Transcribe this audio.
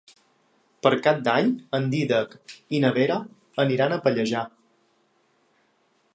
Per Cap d'Any en Dídac i na Vera aniran a Pallejà.